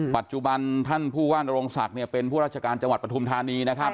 ปัจจุบันท่านผู้ว่านโรงศักดิ์เนี่ยเป็นผู้ราชการจังหวัดปฐุมธานีนะครับ